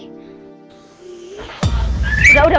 udah udah udah